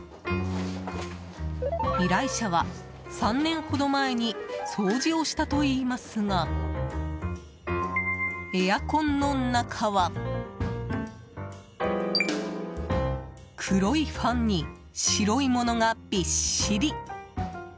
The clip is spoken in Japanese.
依頼者は、３年ほど前に掃除をしたといいますがエアコンの中は。黒いファンに白い物がビッシリ。